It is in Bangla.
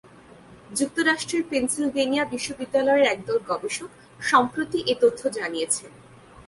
যুক্তরাষ্ট্রের পেনসিলভানিয়া বিশ্ববিদ্যালয়ের একদল গবেষক সম্প্রতি এ তথ্য জানিয়েছেন।